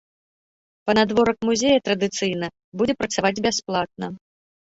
Панадворак музея традыцыйна будзе працаваць бясплатна.